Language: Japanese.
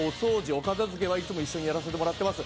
お片付けはいつも一緒にやらせてもらってます。